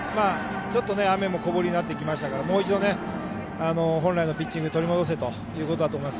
雨も小降りになってきたのでもう一度本来のピッチングを取り戻せということだと思います。